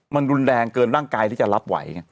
มันรุนแรงเกินร่างกายที่จะรับไหวไง